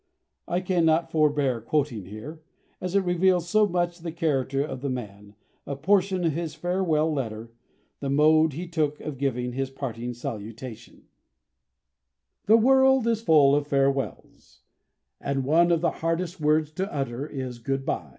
I cannot forbear quoting here as it reveals so much the character of the man a portion of his farewell letter, the mode he took of giving his parting salutation: "The world is full of farewells, and one of the hardest words to utter is goodby.